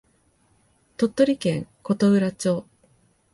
鳥取県琴浦町